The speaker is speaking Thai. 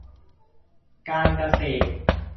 การเกษตร